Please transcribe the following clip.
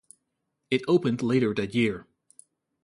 It opened later that year.